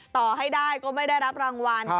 ต่อให้ได้ก็ไม่ได้รับรางวัล